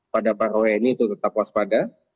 pada para wni itu tetap waspada